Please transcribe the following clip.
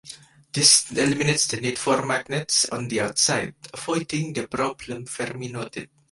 This eliminates the need for magnets on the outside, avoiding the problem Fermi noted.